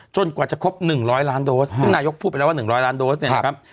กว่าจะครบ๑๐๐ล้านโดสซึ่งนายกพูดไปแล้วว่า๑๐๐ล้านโดสเนี่ยนะครับ